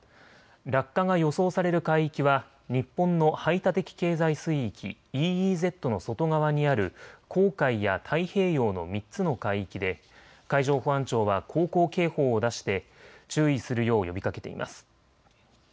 落下が予想される海域は日本の排他的経済水域・ＥＥＺの外側にある黄海や太平洋の３つの海域で海上保安庁は航行警報を出して注意するよう呼びかけています。